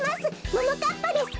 ももかっぱです。